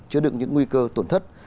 chứa đựng những nguy cơ tổn thất